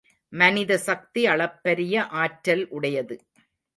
மனித சக்தி அளப்பரிய ஆற்றல் உடையது.